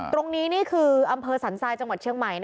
ตรงนี้นี่คืออำเภอสรรไซด์จังหวัดเชียงใหม่